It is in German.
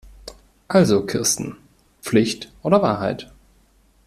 Also Kirsten, Pflicht oder Wahrheit?